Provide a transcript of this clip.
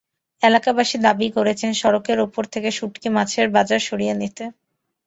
এলাকাবাসী দাবি করেছেন, সড়কের ওপর থেকে শুঁটকি মাছের বাজার সরিয়ে নিতে।